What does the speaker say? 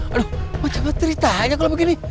aduh macam apa ceritanya kalau begini